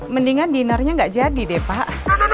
mendingan dinernya gak jadi deh pak